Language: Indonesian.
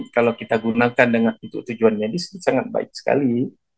kalau kita gunakan dengan itu tujuannya disini sangat baik sekali